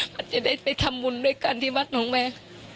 เขาจะได้ไปทำบุญด้วยกันที่วัดน้องแม่